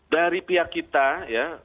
dari pihak kita ya